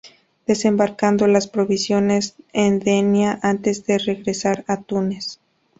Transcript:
Desembarcando las provisiones en Denia antes de regresar a Túnez.